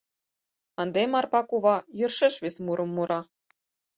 Ынде Марпа кува йӧршеш вес мурым мура.